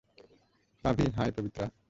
Pavi-- hi, Pabitra!